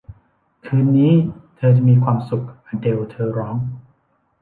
คืนนี้เธอจะมีความสุข อเดล เธอร้อง